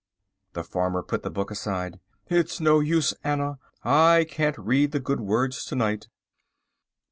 The farmer put the book aside. "It's no use, Anna. I can't read the good words to night."